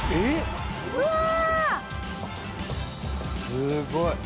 すごい。